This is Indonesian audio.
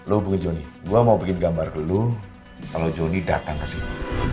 lo hubungin jonny gue mau bikin gambar dulu kalau jonny datang ke sini